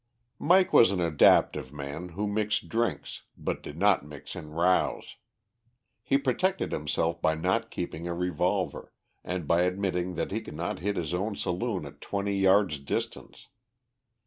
Mike was an adaptive man, who mixed drinks, but did not mix in rows. He protected himself by not keeping a revolver, and by admitting that he could not hit his own saloon at twenty yards distance.